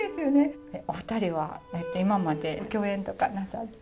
お二人は今まで共演とかなさって？